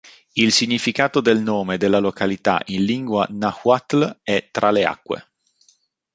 Il significato del nome della località in lingua nahuatl è "tra le acque".